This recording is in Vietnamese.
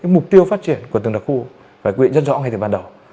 mục tiêu phát triển của từng đặc khu phải quy định rất rõ ngay từ ban đầu